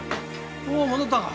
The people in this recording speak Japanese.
おう戻ったか。